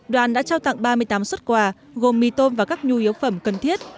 đoàn đã trao tặng ba mươi tám xuất quà gồm mì tôm và các nhu yếu phẩm cần thiết